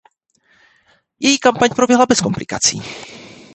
Její kampaň proběhla bez komplikací.